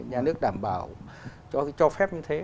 nhà nước đảm bảo cho phép như thế